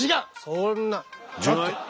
そんな。